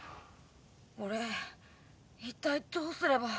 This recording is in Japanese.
俺一体どうすれば。